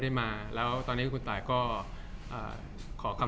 จากความไม่เข้าจันทร์ของผู้ใหญ่ของพ่อกับแม่